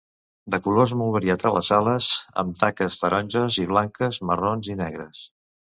Du colors molt variats a les ales, amb taques taronges i blanques, marrons i negres.